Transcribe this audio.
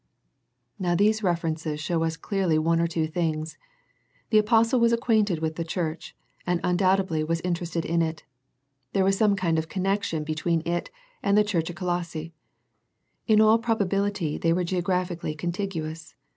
Now these references show us very clearly one or two things. The apostle was acquainted with the church, and undoubtedly was inter ested in it. There was some kind of connec tion between it and the church at Colosse. In all probability they were geographically con tiguous.